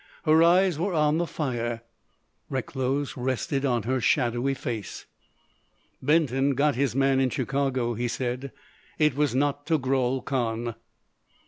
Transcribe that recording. Her eyes were on the fire, Recklow's rested on her shadowy face. "Benton got his man in Chicago," he said. "It was not Togrul Kahn."